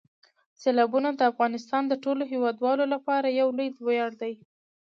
سیلابونه د افغانستان د ټولو هیوادوالو لپاره یو لوی ویاړ دی.